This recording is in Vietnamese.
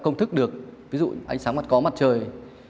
không thức được ví dụ ánh sáng mặt có mặt trời